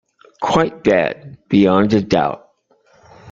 Quite bad, beyond a doubt.